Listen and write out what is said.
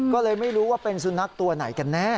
ก็เลยไม่รู้ว่าเป็นสุนัขตัวไหนกันแน่